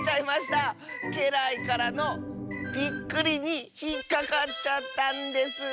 けらいからのびっくりにひっかかっちゃったんです。